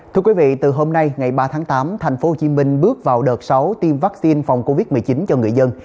thưa quý vị từ hôm nay ngày ba tháng tám thành phố hồ chí minh bước vào đợt sáu tiêm vaccine phòng covid một mươi chín cho người dân